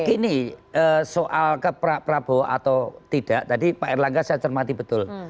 gini soal ke prabowo atau tidak tadi pak erlangga saya cermati betul